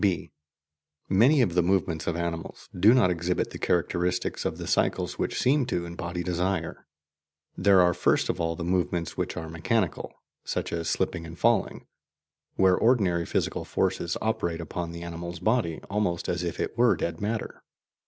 (b) Many of the movements of animals do not exhibit the characteristics of the cycles which seem to embody desire. There are first of all the movements which are "mechanical," such as slipping and falling, where ordinary physical forces operate upon the animal's body almost as if it were dead matter.